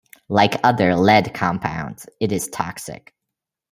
Like other lead compounds, it is toxic.